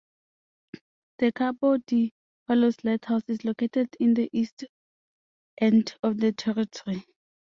The Cabo de Palos lighthouse is located in the east end of the territory.